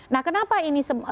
nah kenapa ini